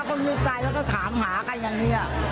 คนนี้ตายแล้วก็ถามหากันอย่างนี้